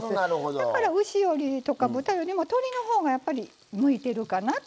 だから牛とか豚よりも鶏のほうがやっぱり向いてるかなと思います。